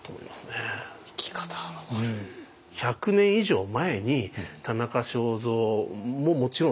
１００年以上前に田中正造ももちろんそうだし